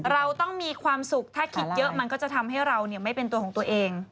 เราต้องมีความสุขถ้าคิดเยอะมันก็จะทำให้เราไม่เป็นตัวของตัวเอง